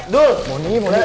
dul leh leh leh